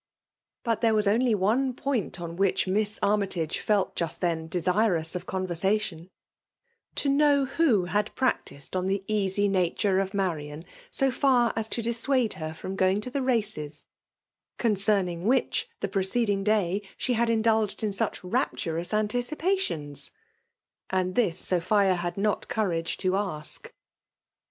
But there was only one point on whieh Miss Armytage felt just then desirous of conversa^ tion ',— to know who had practised on the easy naiuse of Marian, so far as to dissuade her from going to the races, concerning which, the ^peccding day, she had indulged in such raptu sous anticipations ; and this Sophia had not courage to ask.